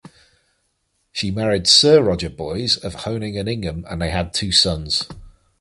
She married Sir Roger Boys of Honing and Ingham and they had two sons.